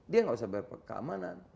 dia enggak bisa bayar keamanan